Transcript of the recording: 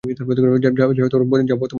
যা বর্তমানে বন্ধ হয়ে গেছে।